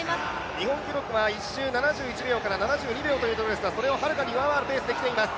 日本記録は１周７１秒から７２秒ですから、それをはるかに上回るペースで来ています。